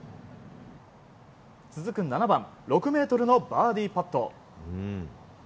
続く７番６ｍのバーディーパット。